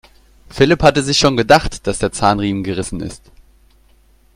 Philipp hatte sich schon gedacht, dass der Zahnriemen gerissen ist.